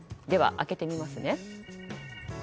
では、開けてみます。